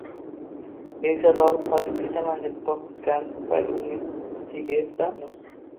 Begzod olib qochib ketaman, deb qo`rqitgani tufayli unga tegayapsanmi